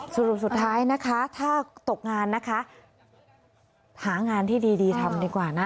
สรุปสุดท้ายนะคะถ้าตกงานนะคะหางานที่ดีทำดีกว่านะ